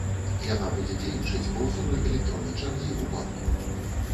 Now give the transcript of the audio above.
Яна будзе дзейнічаць па ўзоры электроннай чаргі ў банку.